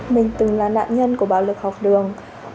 mình từng là nạn nhân của bạo lực học đường